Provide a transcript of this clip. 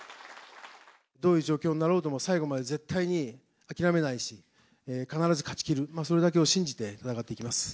どういう状況になろうとも最後まで絶対に諦めないし、必ず勝ちきる、それだけを信じて戦っていきます。